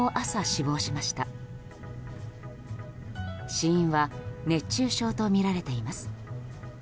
死因は熱中症とみられています。